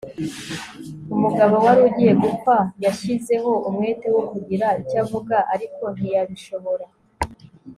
umugabo wari ugiye gupfa yashyizeho umwete wo kugira icyo avuga, ariko ntiyabishobora